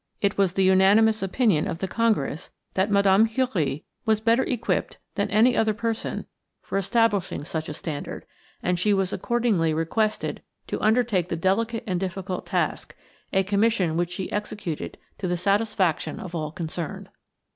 It was the unanimous opinion of the congress that Mme. Curie was better equipped than any other person for establishing such a standard; and she was accordingly requested to undertake the delicate and difficult task a commission which she executed to the satisfaction of all concerned.